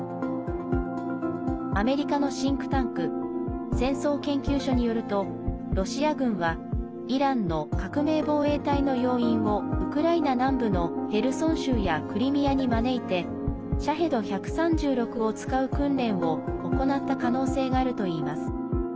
アメリカのシンクタンク戦争研究所によるとロシア軍はイランの革命防衛隊の要員をウクライナ南部のヘルソン州やクリミアに招いて「シャヘド１３６」を使う訓練を行った可能性があるといいます。